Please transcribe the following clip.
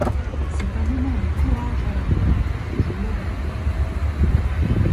C'est un moment de courage à avoir, je l'aurai.